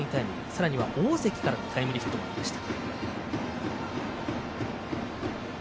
さらに大関からもタイムリーヒットもありました。